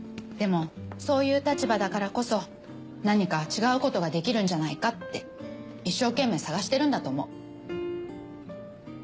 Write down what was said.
でもそういう立場だからこそ何か違うことができるんじゃないかって一生懸命探してるんだと思う。